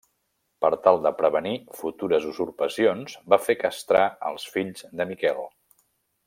Per tal de prevenir futures usurpacions va fer castrar els fills de Miquel.